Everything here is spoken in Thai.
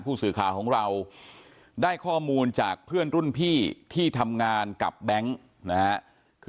ผู้สื่อข่าวของเราได้ข้อมูลจากเพื่อนรุ่นพี่ที่ทำงานกับแบงค์นะฮะ